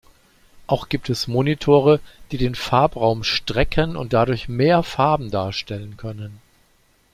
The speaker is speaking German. Auch gibt es Monitore, die den Farbraum strecken und dadurch mehr Farben darstellen können.